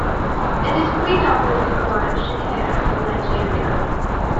It is predominantly called "shekere" in Nigeria.